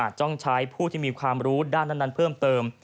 ต้องใช้ผู้ที่มีความรู้ด้านนั้นเพิ่มเติม